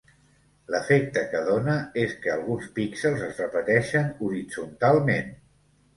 L'efecte que dóna és que alguns píxels es repeteixen horitzontalment.